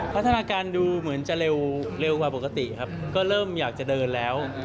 พัฒนาการดูเหมือนจะเร็วกว่าปกติครับก็เริ่มอยากจะเดินแล้ว